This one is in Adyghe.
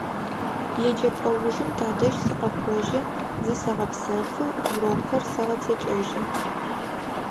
ЕджэпӀэ ужым тадэжь сыкъэкӀожьы, зысэгъэпсэфы, урокхэр сэгъэцэкӀэжьы.